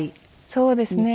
そうですね。